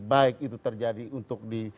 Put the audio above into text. baik itu terjadi untuk di